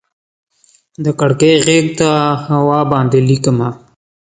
د کړکۍ غیږ ته هوا باندې ليکمه